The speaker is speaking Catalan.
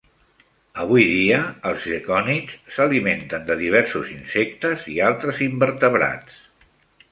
Avui dia, els gecònids s'alimenten de diversos insectes i altres invertebrats.